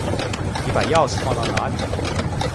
你把钥匙放到哪里了？